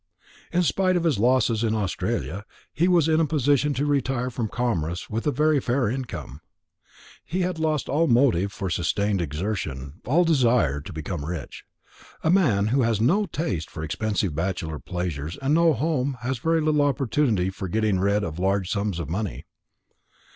In spite of his losses in Australia, he was in a position to retire from commerce with a very fair income. He had lost all motive for sustained exertion, all desire to become rich. A man who has no taste for expensive bachelor pleasures and no home has very little opportunity for getting rid of large sums of money.